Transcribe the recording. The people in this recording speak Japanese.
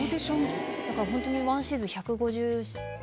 だから本当にワンシーズン。